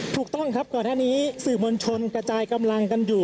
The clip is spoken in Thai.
ถูกต้องครับก่อนหน้านี้สื่อมวลชนกระจายกำลังกันอยู่